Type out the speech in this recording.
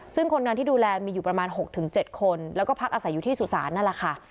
ซึ่งคนงานที่ดูแลมีอยู่ประมาณ๖๗คนแล้วก็พักอาศัยอยู่ที่สุสานนั่นแหละค่ะ